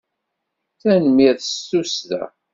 Tanemmirt s tussda.